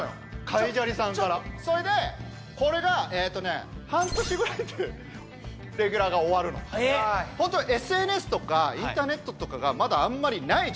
海砂利さんからそれでこれが半年ぐらいでレギュラーが終わるのホントＳＮＳとかインターネットとかがまだあんまりないじゃん